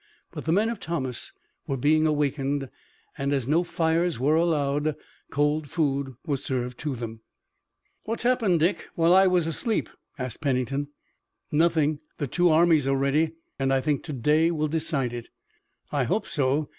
But the men of Thomas were being awakened, and, as no fires were allowed, cold food was served to them. "What's happened, Dick, while I was asleep?" asked Pennington. "Nothing. The two armies are ready, and I think to day will decide it." "I hope so.